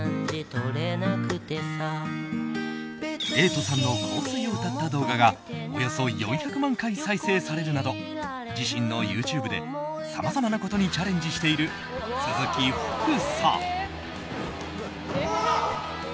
瑛人さんの「香水」を歌った動画がおよそ４００万回再生されるなど自身のＹｏｕＴｕｂｅでさまざまなことにチャレンジしている鈴木福さん。